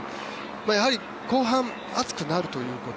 やはり、後半暑くなるということ。